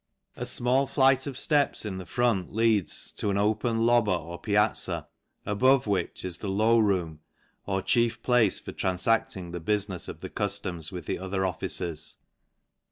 A fmall flight of ileps in the front leads an open lobba or piazza, above which is the L Room, or chief place for tranfa£Hng the bufmefs the cufioms, with the other offices.